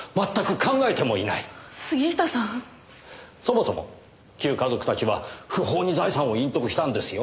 そもそも旧華族たちは不法に財産を隠匿したんですよ。